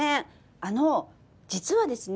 あの実はですね